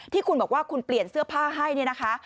ที่คุณบอกว่าคุณเปลี่ยนเสื้อผ้าให้เนี่ยนะคะ